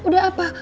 kamu udah udah apa